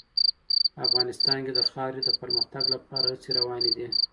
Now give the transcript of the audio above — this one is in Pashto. افغانستان کې د خاورې د پرمختګ لپاره هڅې روانې دي.